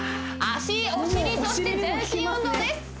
脚お尻そして全身運動です